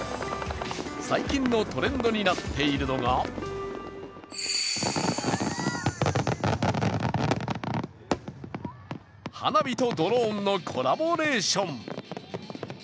最近のトレンドになっているのが花火とドローンのコラボレーション。